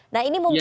nah ini mungkin